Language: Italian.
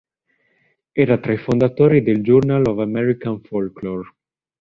Era tra i fondatori del "Journal of American Folklore".